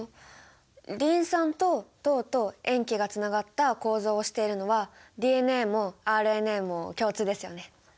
リン酸と糖と塩基がつながった構造をしているのはＤＮＡもＲＮＡも共通ですよね。